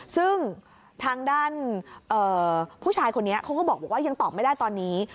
ซึ่งทางด้านผู้ชายคนนี้เขาก็บอกว่ายังตอบไม่ได้ตอนนี้